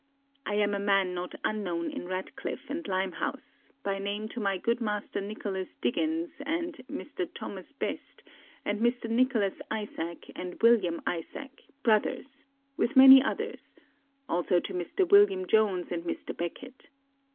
I am a man not unknown in Ratclifife and Limehouse, by name to my good Master Nicholas Diggines and M. Thomas Best and M. Nicholas Isaac and William Isaac, brothers, with many others; also to M. William Jones and M. Becket.